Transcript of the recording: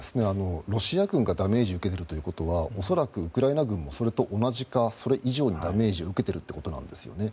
ロシア軍がダメージを受けているということは恐らく、ウクライナ軍もそれと同じかそれ以上にダメージを受けているということなんですね。